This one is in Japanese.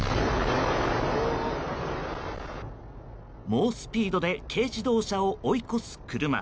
猛スピードで軽自動車を追い越す車。